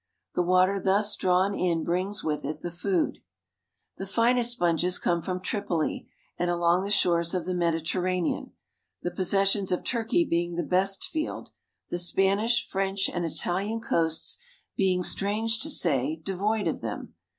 The water thus drawn in brings with it the food. The finest sponges come from Tripoli, and along the shores of the Mediterranean, the possessions of Turkey being the best field, the Spanish, French, and Italian coasts being, strange to say, devoid of them.